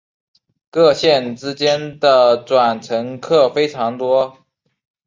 各线之间的转乘客非常多。